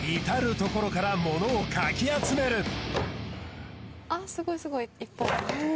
至るところからものをかき集める